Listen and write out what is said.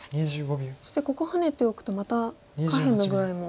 そしてここハネておくとまた下辺の具合も。